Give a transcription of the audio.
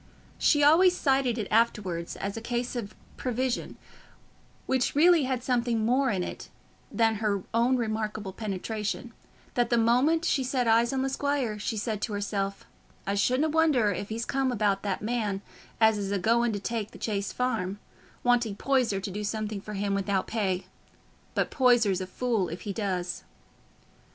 She always cited it afterwards as a case of prevision, which really had something more in it than her own remarkable penetration, that the moment she set eyes on the squire she said to herself, "I shouldna wonder if he's come about that man as is a going to take the Chase Farm, wanting Poyser to do something for him without pay. But Poyser's a fool if he does."